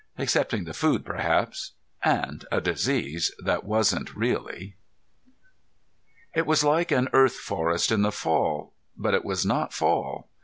Excepting the food, perhaps. And a disease that wasn't really. It was like an Earth forest in the fall, but it was not fall.